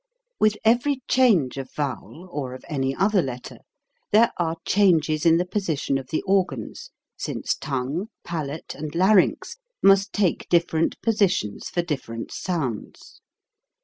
With every change of vowel, or of any other letter, there are changes in the posi tion of the organs, since tongue, palate, and larynx must take different positions for differ ent sounds.